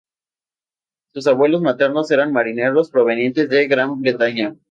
Sus abuelos maternos eran marineros provenientes de Gran Bretaña.